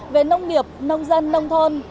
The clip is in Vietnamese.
về nông nghiệp nông dân nông thôn